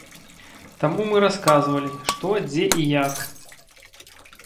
Таму мы расказвалі што, дзе і як.